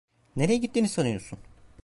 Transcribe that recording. Nereye gittiğini sanıyorsun?